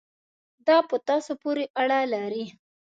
دا په تاسو پورې اړه لري.